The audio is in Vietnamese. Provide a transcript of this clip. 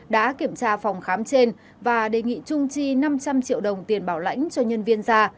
đã kiểm tra phòng khám trên và đề nghị trung chi năm trăm linh triệu đồng tiền bảo lãnh cho nhân viên gia